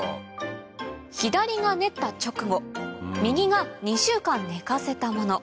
左が練った直後右が２週間寝かせたもの